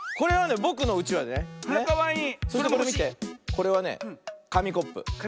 これはねかみコップ。